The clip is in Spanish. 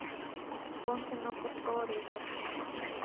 Ponce no cortó orejas.